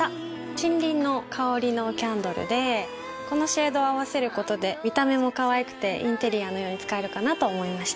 森林の香りのキャンドルでこのシェードを合わせることで見た目もかわいくてインテリアのように使えるかなと思いました。